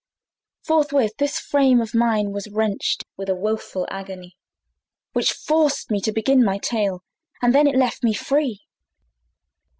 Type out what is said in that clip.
Forthwith this frame of mine was wrenched With a woeful agony, Which forced me to begin my tale; And then it left me free.